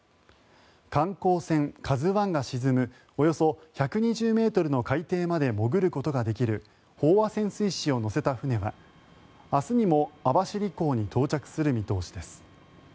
観光船「ＫＡＺＵ１」が沈むおよそ１２０ｍの海底まで潜ることができる飽和潜水士を乗せた船は明日にも網走港に到着する見通しです。